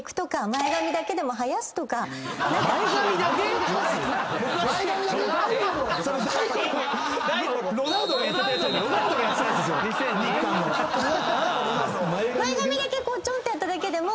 前髪だけちょんってやっただけでも。